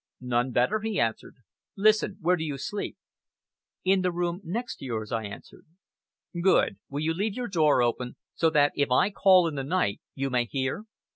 "None better," he answered. "Listen, where do you sleep?" "In the next room to yours," I answered. "Good! Will you leave your door open, so that if I call in the night you may hear?"